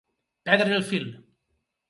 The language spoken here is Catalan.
Perdre el fil.